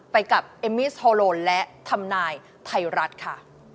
ไปกับเอมมี่โฮโลนและทำนายไทยรัฐค่ะ